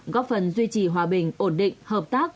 góp phần duy trì hòa bình ổn định hợp tác